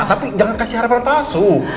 tapi jangan kasih harapan palsu